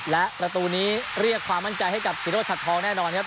และประตูนี้เรียกความมั่นใจให้กับสุโรชัดทองแน่นอนครับ